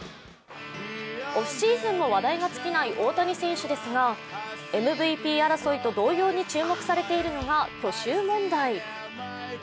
オフシーズンも話題が尽きない大谷選手ですがＭＶＰ争いと同様に注目されているのが去就問題。